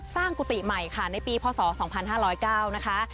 กุฏิใหม่ค่ะในปีพศ๒๕๐๙นะคะ